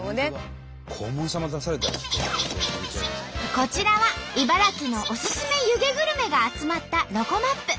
こちらは茨城のおすすめ湯気グルメが集まったロコＭＡＰ。